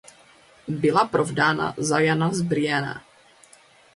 Byla provdána za Jana z Brienne.